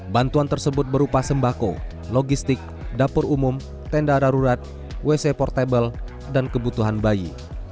bantuan tersebut berupa sembako logistik dapur umum tenda darurat wc portable dan kebutuhan bayi